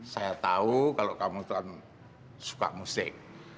saya tahu kalau kamu tuhan suka musik